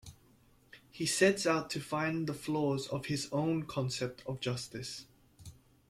He sets out to find the flaws of his own concept of justice.